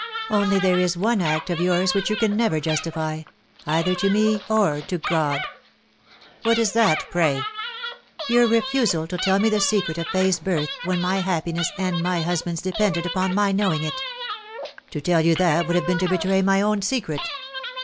Only there is one act of yours which you can never justify either to me or to God." "What is that, pray?" " Your refusal to tell me the secret of Fay's birth, when my happiness and my husband's depended upon my knowing it." " To tell you that would have been to betray my own secret.